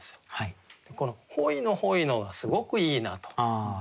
この「ほいのほいの」がすごくいいなと。